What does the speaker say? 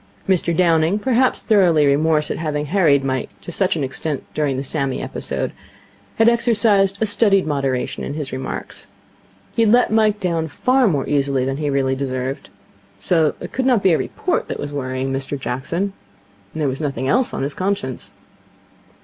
Mr Downing, perhaps through remorse at having harried Mike to such an extent during the Sammy episode, had exercised a studied moderation in his remarks. He had let Mike down far more easily than he really deserved. So it could not be a report that was worrying Mr Jackson. And there was nothing else on his conscience.